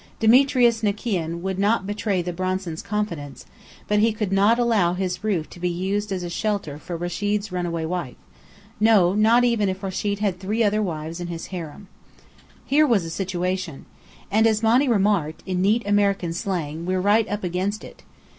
Dimitrius Nekean would not betray the Bransons' confidence, but he could not allow his roof to be used as a shelter for Rechid's runaway wife no, not even if Rechid had three other wives in his harem. Here was a situation! And as Monny remarked, in neat American slang, we were "right up against it."